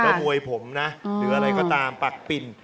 แล้วมวยผมนะหรืออะไรก็ตามปักปิ่น